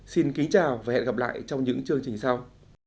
xin kính chào và hẹn gặp lại trong những chương trình sau